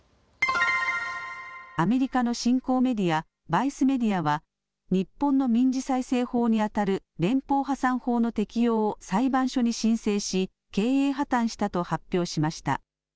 アメリカの新興メディア、ヴァイス・メディアは日本の民事再生法にあたる連邦破産法の適用を裁判所に申請し経営破綻したと発表しました。